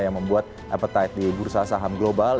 yang membuat appetite di bursa saham global